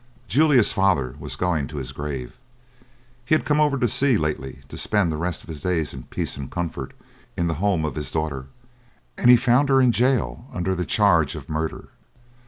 Julia's father was going to his grave. He had come over the sea lately to spend the rest of his days in peace and comfort in the home of his daughter, and he found her in gaol under the charge of murder.